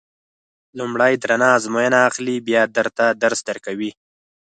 لومړی درنه ازموینه اخلي بیا درته درس درکوي.